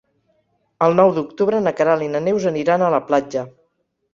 El nou d'octubre na Queralt i na Neus aniran a la platja.